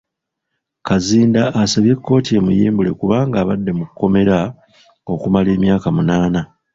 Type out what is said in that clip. Kazinda asabye kkooti emuyimbule kubanga abadde mu kkomera okumala emyaka munaana.